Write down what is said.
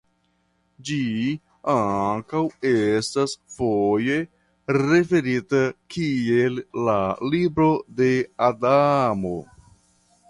Ĝi ankaŭ estas foje referita kiel la "Libro de Adamo".